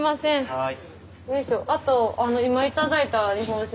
はい！